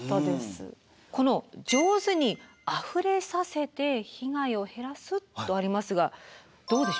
この上手にあふれさせて被害を減らすとありますがどうでしょう。